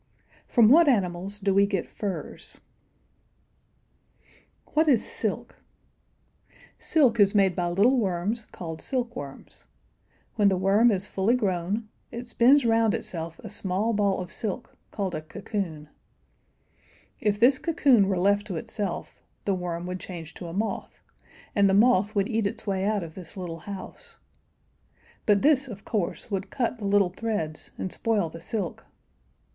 From what animals do we get furs? What is silk? [Illustration: THE SILKWORM AND MOTH.] Silk is made by little worms called silkworms. When the worm is fully grown, it spins round itself a small ball of silk, called a cocoon. If this cocoon were left to itself, the worm would change to a moth, and the moth would eat its way out of this little house. But this, of course, would cut the little threads and spoil the silk.